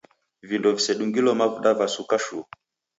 Vindo visedungilo mavuda vasuka shuu.